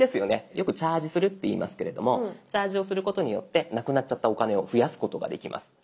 よく「チャージする」っていいますけれどもチャージをすることによってなくなっちゃったお金を増やすことができます。